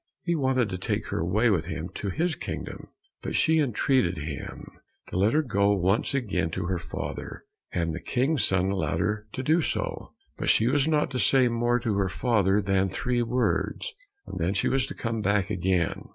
He wanted to take her away with him to his kingdom, but she entreated him to let her go once again to her father, and the King's son allowed her to do so, but she was not to say more to her father than three words, and then she was to come back again.